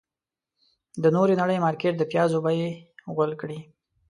د نورې نړۍ مارکيټ د پيازو بيې غول کړې.